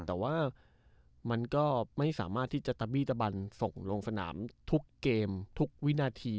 แต่ว่ามันก็ไม่สามารถที่จะตะบี้ตะบันส่งลงสนามทุกเกมทุกวินาที